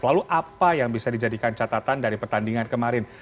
lalu apa yang bisa dijadikan catatan dari pertandingan kemarin